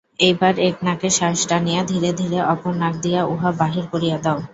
এইবার এক নাকে শ্বাস টানিয়া ধীরে ধীরে অপর নাক দিয়া উহা বাহির করিয়া দাও।